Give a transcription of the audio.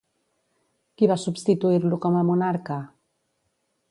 Qui va substituir-lo com a monarca?